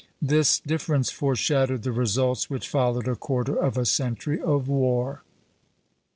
This difference foreshadowed the results which followed a quarter of a century of war.